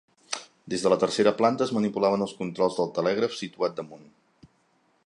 Des de la tercera planta es manipulaven els controls del telègraf situat damunt.